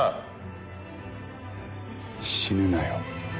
「死ぬなよ」